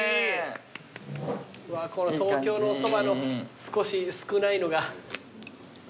うわこの東京のおそばの少し少ないのが。